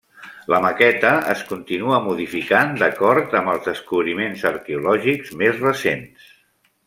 La maqueta es continua modificant d'acord amb els descobriments arqueològics més recents.